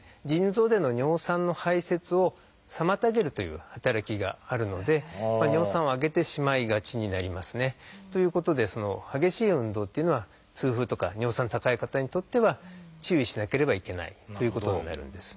腎臓での尿酸の排せつを妨げるという働きがあるので尿酸を上げてしまいがちになりますね。ということで激しい運動っていうのは痛風とか尿酸高い方にとっては注意しなければいけないということになるんです。